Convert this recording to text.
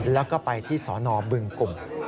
แล้วก็ไปที่สนบึงกลุ่ม